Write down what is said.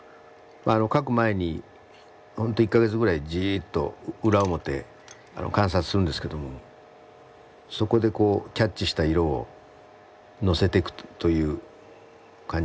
描く前に本当１か月ぐらいじっと裏表観察するんですけどもそこでこうキャッチした色を載せていくという感じですかね。